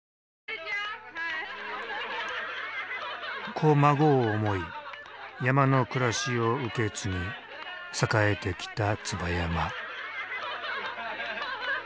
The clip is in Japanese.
子孫を思い山の暮らしを受け継ぎ栄えてきた椿山。